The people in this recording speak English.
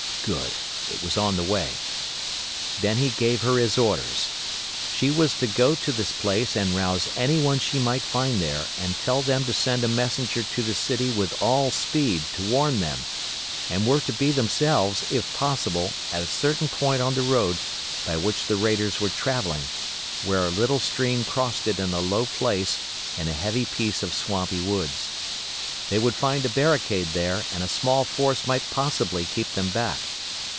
Good; it was on the way. Then he gave her his orders. She was to go to this place and rouse any one she might find there and tell them to send a messenger to the city with all speed to warn them, and were to be themselves if possible at a certain point on the road by which the raiders were travelling, where a little stream crossed it in a low place in a heavy piece of swampy woods. They would find a barricade there and a small force might possibly keep them back.